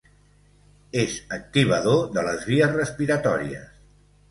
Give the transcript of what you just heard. És activador de les vies respiratòries.